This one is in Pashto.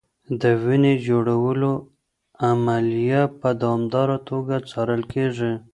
د وینې جوړولو عملیه په دوامداره توګه څارل کېږي.